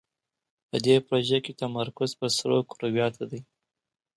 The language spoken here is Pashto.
په دې پروژه کې تمرکز پر سرو کرویاتو دی.